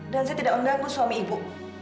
dan saya tidak mengganggu suami ibu